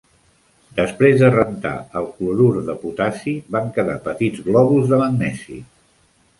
Després de rentar el clorur de potassi, van quedar petits glòbuls de magnesi.